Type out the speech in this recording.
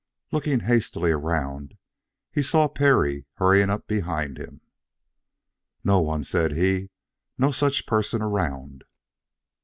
Looking hastily around, he saw Perry hurrying up behind him. "No one," said he. "No such person around."